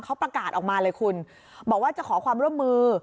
เขาประกาศออกมาเลยคุณบอกว่าจะขอความร่วมมือ